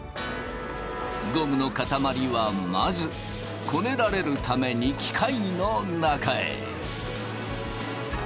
ゴムの塊はまずこねられるために機械の中へ。